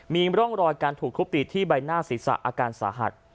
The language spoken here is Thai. มีร่องรอยการถูกทุบตีที่ใบหน้าศีรษะอาการสาหัส